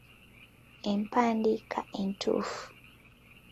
Empandiika entuufu.